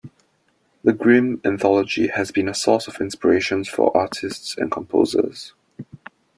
The Grimm anthology has been a source of inspiration for artists and composers.